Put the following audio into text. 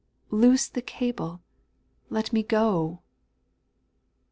Loose the cable, let me go